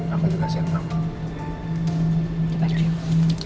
aku juga sayang sama kamu